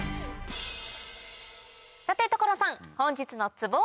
さて所さん本日のツボは？